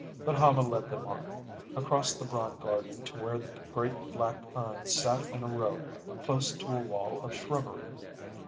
But Hama led them on, across the broad garden to where the great black urns sat in a row close to a wall of shrubbery.